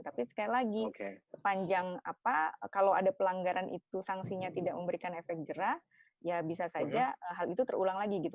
tapi sekali lagi panjang kalau ada pelanggaran itu sanksinya tidak memberikan efek jerah ya bisa saja hal itu terulang lagi gitu